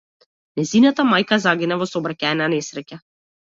Нејзината мајка загина во сообраќајна несреќа.